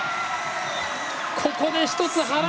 ここで、１つ波乱！